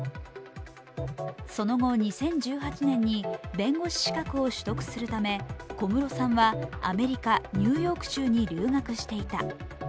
その後２０１８年に弁護士資格を取得するため、小室さんはアメリカ・ニューヨーク州に留学していた。